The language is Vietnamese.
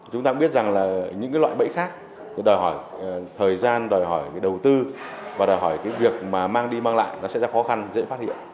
chúng ta biết rằng những loại bẫy khác đòi hỏi thời gian đòi hỏi đầu tư và đòi hỏi việc mang đi mang lại sẽ ra khó khăn dễ phát hiện